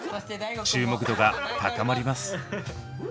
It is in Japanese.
注目度が高まります。